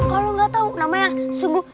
kalau gak tau namanya sungguh